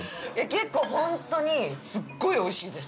◆結構、本当にすっごいおいしいです。